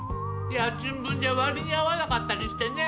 家賃分じゃ割に合わなかったりしてね。